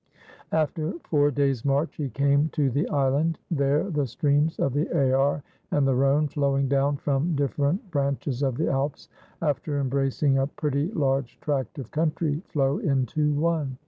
After four days' march he came to the Island : there the streams of the Aar and the Rhone, flowing down from different branches of the Alps, after embracing a pretty large tract of country, flow into one.